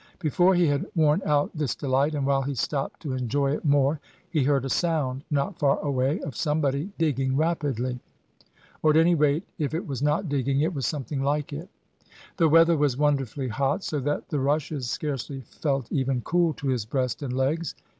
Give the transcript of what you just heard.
Before he had worn out this delight, and while he stopped to enjoy it more, he heard a sound, not far away, of somebody digging rapidly. Or at any rate, if it was not digging, it was something like it. The weather was wonderfully hot, so that the rushes scarcely felt even cool to his breast and legs.